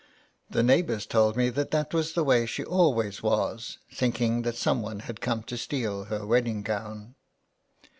The neighbours told me that that was the way she always was, think ing that someone had come to steal her wedding gown."